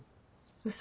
ウソ。